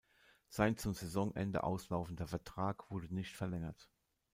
Sein zum Saisonende auslaufender Vertrag wurde nicht verlängert.